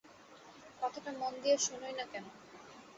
কথাটা মন দিয়া শোনোই না কেন?